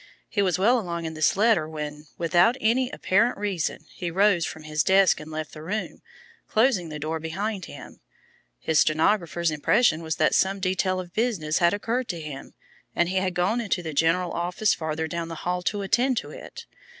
He was well along in this letter when, without any apparent reason, he rose from his desk and left the room, closing the door behind him. His stenographer's impression was that some detail of business had occurred to him, and he had gone into the general office farther down the hall to attend to it.